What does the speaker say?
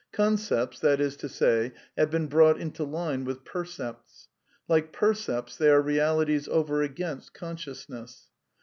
Concepts, that is to say, have heeeT^ * brought into line with percepts. Like percepts, they are realities over against consciousness.